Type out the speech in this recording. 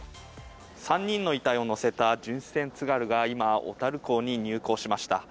３人の遺体を乗せた巡視船「つがる」が今、小樽港に入港しました。